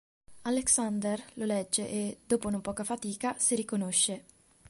Alexandre lo legge e, dopo non poca fatica, si riconosce.